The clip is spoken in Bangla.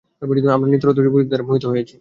আমরা নৃত্যরত যুবতীদের দ্বারা মোহিত হয়েছি।